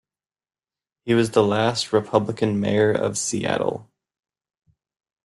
He was the last Republican mayor of Seattle.